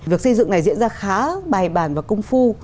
việc xây dựng này diễn ra khá bài bàn và cung phu